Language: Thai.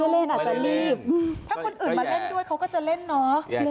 ไม่ได้เล่นอาจจะรีบ